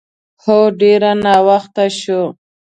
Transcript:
هو، ډېر ناوخته شوه.